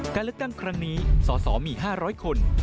การเลือกตั้งครั้งนี้สสมี๕๐๐คน